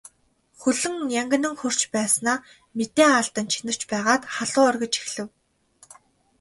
Хөл нь янгинан хөрч байснаа мэдээ алдан чинэрч байгаад халуу оргиж эхлэв.